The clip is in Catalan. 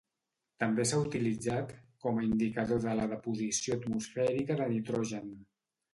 També s'ha utilitzat com a indicador de la deposició atmosfèrica de nitrogen.